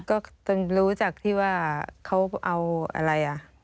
ก็จนรู้จากที่ว่าเขาเอาอะไรอ่ะ